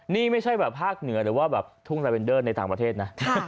นี่ไม่ใช่แบบภาคเหนือหรือว่าแบบทุ่งลาเวนเดอร์ในต่างประเทศนะ